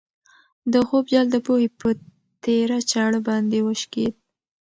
د خوب جال د پوهې په تېره چاړه باندې وشکېد.